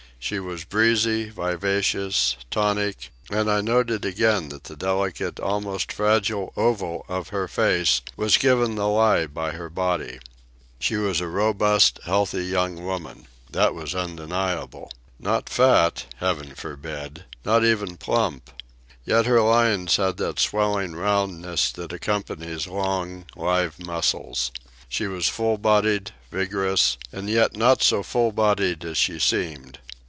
She was breezy, vivacious, tonic, and I noted again that the delicate, almost fragile oval of her face was given the lie by her body. She was a robust, healthy young woman. That was undeniable. Not fat—heaven forbid!—not even plump; yet her lines had that swelling roundness that accompanies long, live muscles. She was full bodied, vigorous; and yet not so full bodied as she seemed.